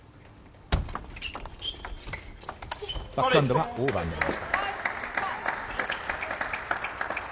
バックハンドがオーバーになりました。